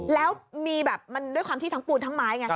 แล้วมีแบบมันด้วยความที่ทั้งปูนทั้งไม้ไง